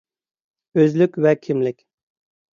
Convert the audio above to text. ئۆزلۈك ۋە كىملىك